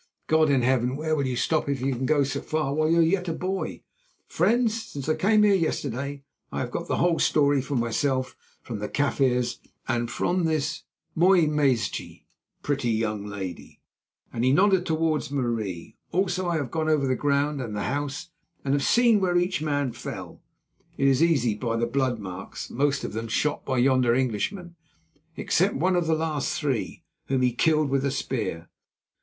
God in Heaven! where will you stop if you can go so far while you are yet a boy? Friends, since I came here yesterday I have got the whole story for myself from the Kaffirs and from this mooi meisje" (pretty young lady), and he nodded towards Marie. "Also I have gone over the ground and the house, and have seen where each man fell—it is easy by the blood marks—most of them shot by yonder Englishman, except one of the last three, whom he killed with a spear.